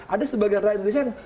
ada sebagian rakyat indonesia yang